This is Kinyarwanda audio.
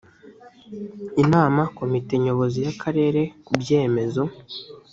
inama komite nyobozi y’akarere ku byemezo